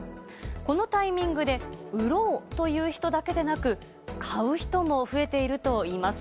このタイミングで売ろうという人だけでなく買う人も増えているといいます。